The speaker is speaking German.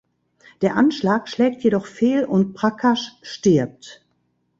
Der Anschlag schlägt jedoch fehl und Prakash stirbt.